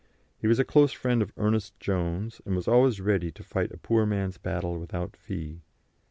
He was a close friend of Ernest Jones, and was always ready to fight a poor man's battle without fee.